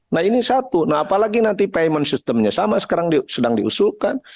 nah ini satu nah apalagi nanti payment systemnya sama sekarang sedang diusulkan